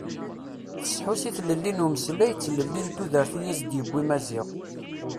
Tesḥus i tlelli n umeslay d tlelli n tudert i as-d-yewwi Maziɣ.